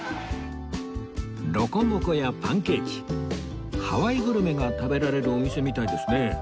ロコモコやパンケーキハワイグルメが食べられるお店みたいですね